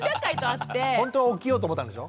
ほんとは起きようと思ったんでしょ？